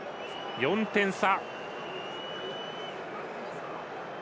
４点差。